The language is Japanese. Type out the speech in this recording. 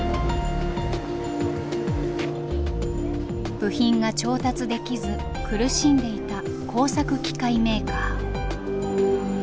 部品が調達できず苦しんでいた工作機械メーカー。